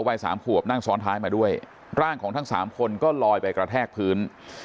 วัยสามขวบนั่งซ้อนท้ายมาด้วยร่างของทั้งสามคนก็ลอยไปกระแทกพื้น